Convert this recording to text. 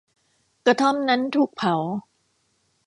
กระท่อมนั้นถูกเผา